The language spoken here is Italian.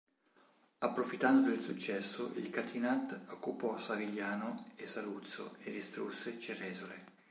Approfittando del successo, il Catinat occupò Savigliano e Saluzzo e distrusse Ceresole.